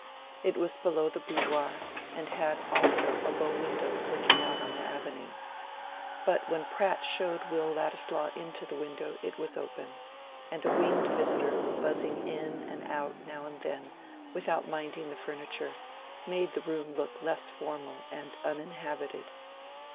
It was below the boudoir, and had also a bow window looking out on the avenue. But when Pratt showed Will Ladislaw into it the window was open; and a winged visitor, buzzing in and out now and then without minding the furniture, made the room look less formal and uninhabited.